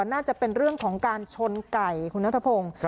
น่าจะเป็นเรื่องของการชนไก่คุณนัทพงศ์